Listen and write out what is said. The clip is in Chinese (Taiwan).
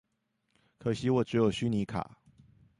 可惜我只有虛擬卡